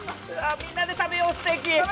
みんなで食べようステーキ。